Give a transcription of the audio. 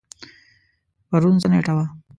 پرون څه نیټه وه؟